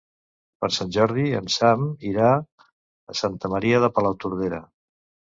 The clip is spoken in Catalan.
Per Sant Jordi en Sam irà a Santa Maria de Palautordera.